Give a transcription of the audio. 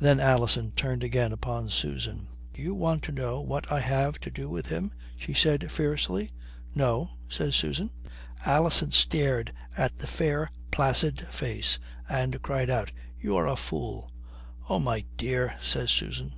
Then Alison turned again upon Susan. "You want to know what I have to do with him?" she said fiercely. "No," says Susan. Alison stared at the fair, placid face and cried out: "You are a fool." "Oh, my dear," says Susan.